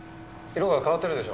色が変わってるでしょ？